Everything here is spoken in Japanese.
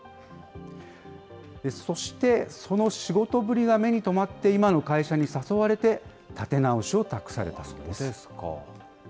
そして、その仕事ぶりが目に留まって、今の会社に誘われて、立て直しを託されたそうです。